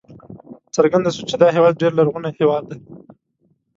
څرګنده شوه چې دا هېواد ډېر لرغونی هېواد دی.